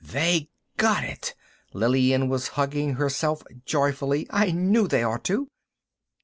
"They got it!" Lillian was hugging herself joyfully. "I knew they ought to!"